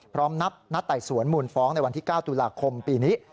นับนัดไต่สวนมูลฟ้องในวันที่๙ตุลาคมปีนี้